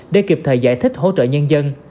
để kịp thời giải thích hỗ trợ nhân dân